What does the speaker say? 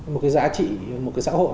một cái giá trị một cái xã hội